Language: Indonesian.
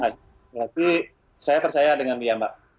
jadi saya percaya dengan dia mbak